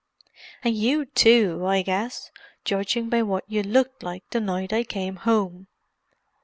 "And you too, I guess—judging by what you looked like the night I came home."